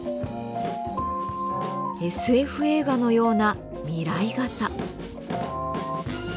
ＳＦ映画のような未来型。